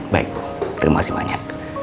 baik terima kasih banyak